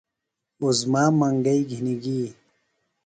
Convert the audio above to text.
عظمیٰ منگئی گِھنیۡ گی۔